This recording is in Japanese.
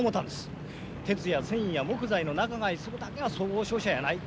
鉄や繊維や木材の仲買するだけが総合商社やない。